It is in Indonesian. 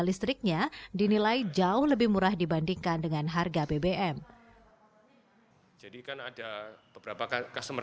listriknya dinilai jauh lebih murah dibandingkan dengan harga bbm jadi kan ada beberapa customer